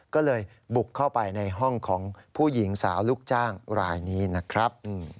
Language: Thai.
ก็เลยบุกเข้าไปในห้องของผู้หญิงสาวลูกจ้างรายนี้นะครับ